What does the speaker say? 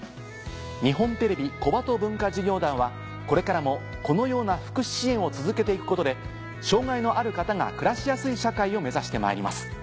日本テレビ小鳩文化事業団はこれからもこのような福祉支援を続けていくことで障がいのある方が暮らしやすい社会を目指してまいります。